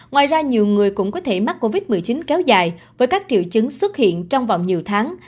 ngoài ra nhiều người cũng có thể mắc covid một mươi chín kéo dài với các triệu chứng xuất hiện trong vòng nhiều tháng